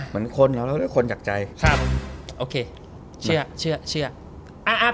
เหมือนคนเราแล้วคนจากใจครับโอเคเชื่อเชื่ออ่าอ่า